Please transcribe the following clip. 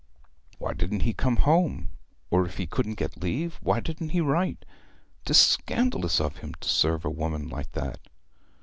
Why didn't he come home; or if he couldn't get leave why didn't he write? 'Tis scandalous of him to serve a woman like that!'